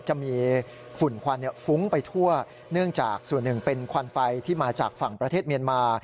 จะมีฝุ่นควันฟุ้งไปทั่วเนื่องจากส่วนหนึ่งเป็นควันไฟที่มาจากฝั่งประเทศเมียนมา